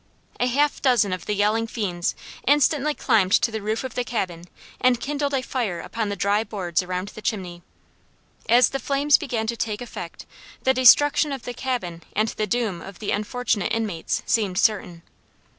A half dozen of the yelling fiends instantly climbed to the roof of the cabin and kindled a fire upon the dry boards around the chimney. As the flames began to take effect the destruction of the cabin and the doom of the unfortunate inmates seemed certain.